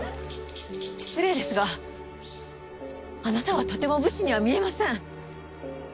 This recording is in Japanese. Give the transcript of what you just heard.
失礼ですがあなたはとても武士には見えません。